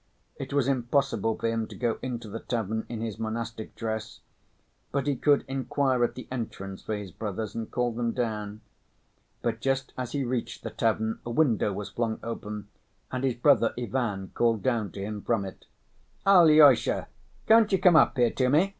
It was impossible for him to go into the tavern in his monastic dress, but he could inquire at the entrance for his brothers and call them down. But just as he reached the tavern, a window was flung open, and his brother Ivan called down to him from it. "Alyosha, can't you come up here to me?